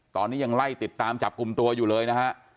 ตอนนี้ยังไล่ติดตามจับกลุ่มตัวอยู่เลยนะฮะ